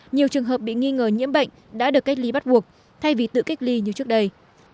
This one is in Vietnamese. nhiều trường hợp bị nghi ngờ nhiễm bệnh đã được cách ly bắt buộc thay vì tự cách ly như trước đây